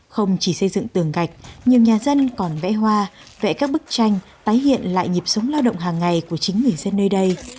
không chỉ xây dựng tường gạch nhiều nhà dân còn vẽ hoa vẽ các bức tranh tái hiện lại nhịp sống lao động hàng ngày của chính người dân nơi đây